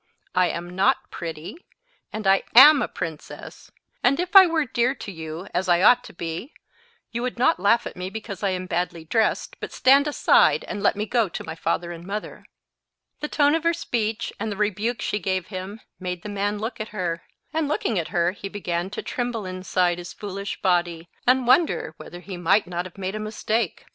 "I am not pretty, and I am a princess, and if I were dear to you, as I ought to be, you would not laugh at me because I am badly dressed, but stand aside, and let me go to my father and mother." The tone of her speech, and the rebuke she gave him, made the man look at her; and looking at her, he began to tremble inside his foolish body, and wonder whether he might not have made a mistake.